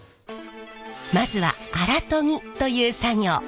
まずは荒研ぎという作業。